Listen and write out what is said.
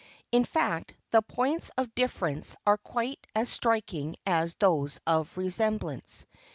In fact, the points of difference are quite as striking as those of resemblance.